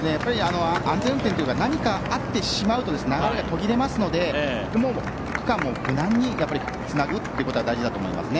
安全運転というか何かあってしまうと流れが途切れますので区間も無難につなぐということが大事だと思います。